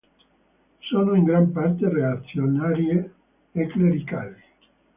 Sono in gran parte reazionarie e clericali.